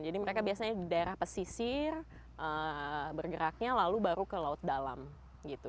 jadi mereka biasanya di daerah pesisir bergeraknya lalu baru ke laut dalam gitu